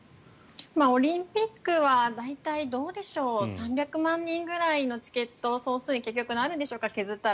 オリンピックは大体、どうでしょう３００万人ぐらいのチケット総数になるんでしょうか削ったら。